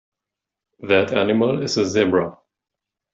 That animal is a Zebra.